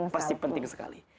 pasti penting sekali